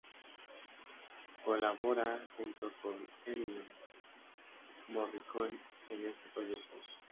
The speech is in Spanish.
Colabora junto con Ennio Morricone en este proyecto.